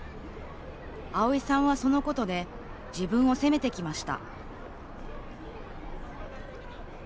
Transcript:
あおいさんは、そのことで自分を責めてきました